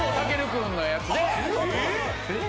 君のやつで。